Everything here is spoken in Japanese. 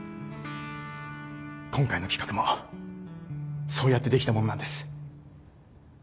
今回の企画もそうやってできたものなんです。